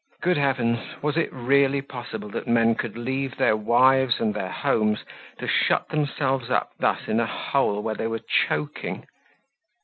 Good heavens! Was it really possible that men could leave their wives and their homes to shut themselves up thus in a hole where they were choking?